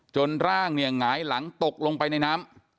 ร่างเนี่ยหงายหลังตกลงไปในน้ำ